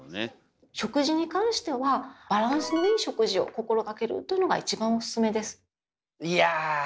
食事に関してはバランスのいい食事を心がけるというのが一番オススメです。